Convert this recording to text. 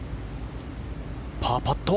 パーパット。